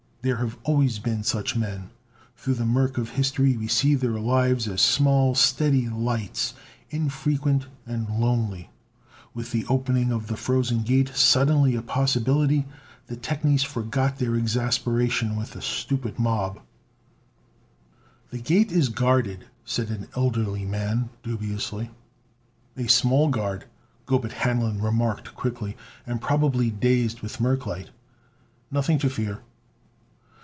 There have always been such men. Through the murk of history we see their lives as small, steady lights, infrequent and lonely. With the opening of the Frozen Gate suddenly a possibility, the technies forgot their exasperation with the stupid mob. "The Gate is guarded," said an elderly man dubiously. "A small guard," Gobet Hanlon remarked quickly, "and probably dazed with merclite. Nothing to fear."